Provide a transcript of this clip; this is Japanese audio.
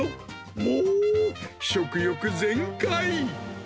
もう食欲全開。